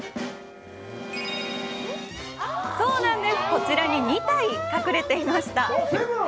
そう、こちらに２体、隠れていました！